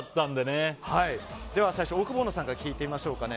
では、オオクボーノさんから聞いてみましょう。